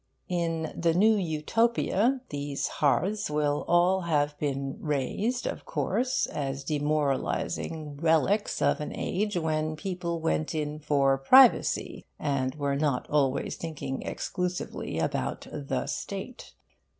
In 'The New Utopia' these hearths will all have been rased, of course, as demoralising relics of an age when people went in for privacy and were not always thinking exclusively about the State.